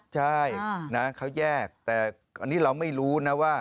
ใช่เขาแยกแต่นี่เราไม่รู้